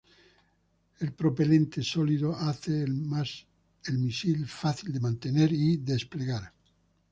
El propelente sólido hace al misil fácil de mantener y desplegar.